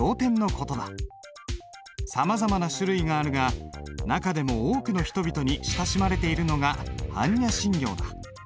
さまざまな種類があるが中でも多くの人々に親しまれているのが般若心経だ。